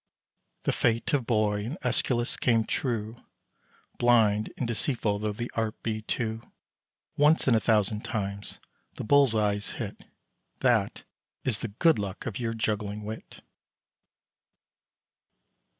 The fate of boy and Æschylus came true, Blind and deceitful though the art be, too. Once in a thousand times the bull's eye's hit; That is the good luck of your juggling wit.